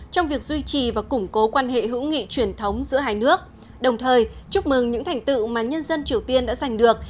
trong việc duy trì và củng cố quan hệ hữu nghị truyền thống giữa hai nước đồng thời chúc mừng những thành tựu mà nhân dân triều tiên đã giành được